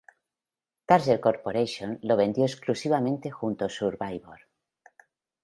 Target Corporation lo vendió exclusivamente junto con "Survivor".